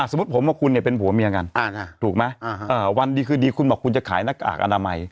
สมมุติผมว่าคุณเนี่ยเป็นผัวเมียกันถูกไหมวันดีคืนดีคุณบอกคุณจะขายหน้ากากอนามัย